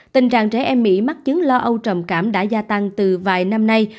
tình trạng trẻ em mỹ mắc chứng lo âu trầm cảm đã gia tăng từ vài năm nay